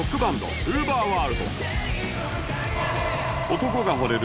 男が惚れる